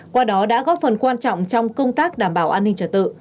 qua đó đã góp phần quan trọng trong công tác đảm bảo an ninh trật tự